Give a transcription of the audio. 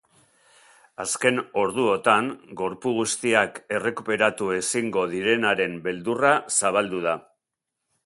Azken orduotan gorpu guztiak errekuperatu ezingo direnaren beldurra zabaldu da.